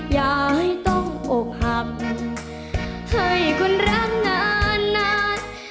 อย่าให้ต้องอกหักให้คนรักนาน